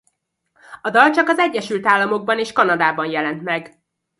A dal csak az Egyesült Államokban és Kanadában jelent meg.